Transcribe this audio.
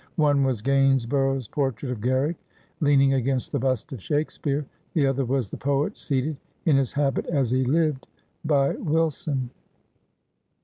One was Gains borough's portrait of Garrick, leaning against the bust of Shake speare ; the other was the poet seated, in his habit as he lived, by Wilson.